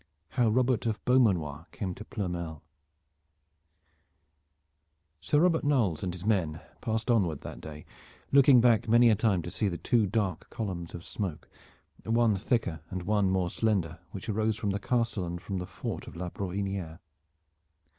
HOW ROBERT OF BEAUMANOIR CAME TO PLOERMEL Sir Robert Knolles and his men passed onward that day, looking back many a time to see the two dark columns of smoke, one thicker and one more slender, which arose from the castle and from the fort of La Brohiniere.